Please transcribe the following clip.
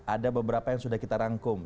ada beberapa yang sudah kita rangkum